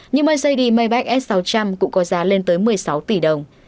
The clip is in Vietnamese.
nhưng mercedes maybach s sáu trăm linh cũng có giá lên tới một mươi sáu tỷ đồng